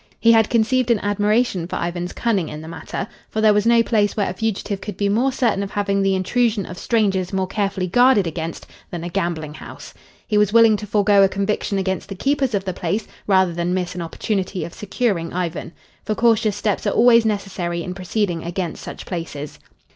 He had conceived an admiration for Ivan's cunning in the matter, for there was no place where a fugitive could be more certain of having the intrusion of strangers more carefully guarded against than a gambling house. He was willing to forego a conviction against the keepers of the place rather than miss an opportunity of securing Ivan. For cautious steps are always necessary in proceeding against such places.